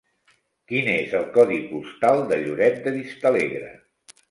Quin és el codi postal de Lloret de Vistalegre?